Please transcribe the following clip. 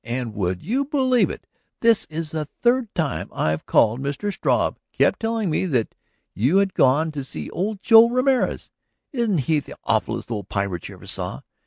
And, would you believe it, this is the third time I have called. Mr. Struve kept telling me that you had gone to see old Joe Ramorez ... isn't he the awfullest old pirate you ever saw?